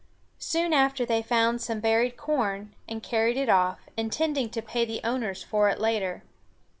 Soon after they found some buried corn, and carried it off, intending to pay the owners for it later.